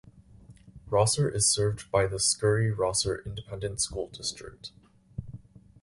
Rosser is served by the Scurry-Rosser Independent School District.